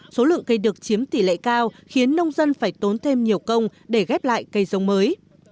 số lượng cây được chiếm tỷ lệ cao khiến nông dân phải tốn thêm nhiều công để ghép lại cây giống mới